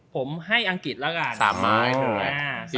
ผมให้อังกฤษแล้วกัน๓ไม้